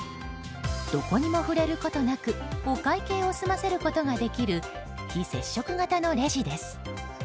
どこにも触れることなくお会計を済ませることができる非接触型のレジです。